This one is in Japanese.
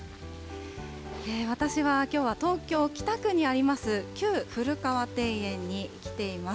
私はきょうは東京・北区にあります、旧古河庭園に来ています。